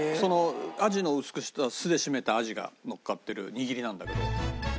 鯵の薄くした酢で締めた鯵がのっかってる握りなんだけど。